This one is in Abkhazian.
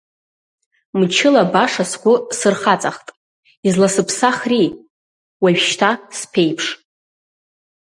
Мчыла баша сгәы сырхаҵахт, изласыԥсахри, уажәшьҭа сԥеиԥш?!